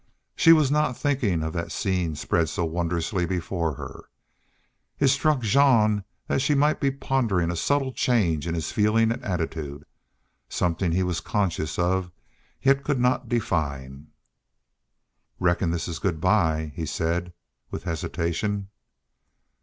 She was not thinking of that scene spread so wondrously before her. It struck Jean she might be pondering a subtle change in his feeling and attitude, something he was conscious of, yet could not define. "Reckon this is good by," he said, with hesitation.